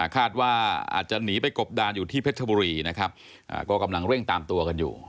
คาดว่าอาจจะหนีไปกบดานอยู่ที่เพชรบุรีนะครับก็กำลังเร่งตามตัวกันอยู่